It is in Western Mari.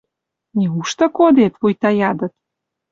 «Неужты кодет? — вуйта ядыт, —